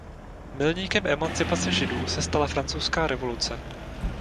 Milníkem emancipace Židů se stala Francouzská revoluce.